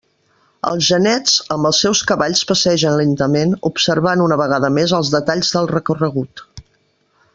Els genets, amb els seus cavalls passegen lentament, observant una vegada més els detalls del recorregut.